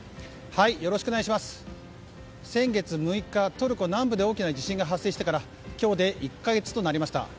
先月６日、トルコ南部で大きな地震が発生してから今日で１か月となりました。